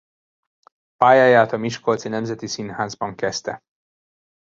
Pályáját a Miskolci Nemzeti Színházban kezdte.